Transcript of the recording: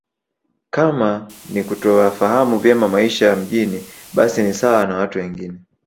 Kama ni kutoyafahamu vyema maisha ya mjini basi ni sawa na watu wengine